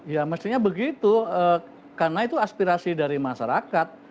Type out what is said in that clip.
ya mestinya begitu karena itu aspirasi dari masyarakat